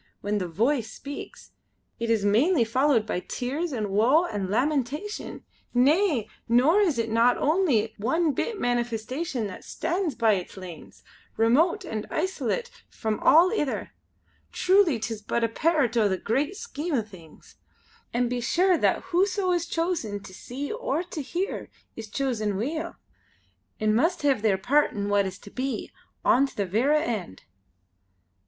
When the Voice speaks, it is mainly followed by tears an' woe an' lamentation! Nae! nor is it only one bit manifestation that stands by its lanes, remote and isolate from all ither. Truly 'tis but a pairt o' the great scheme o' things; an' be sure that whoso is chosen to see or to hear is chosen weel, an' must hae their pairt in what is to be, on to the verra end."